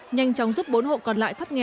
nhanh chóng giúp bốn hộ còn lại thoát nghèo